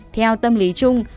theo tâm lý trung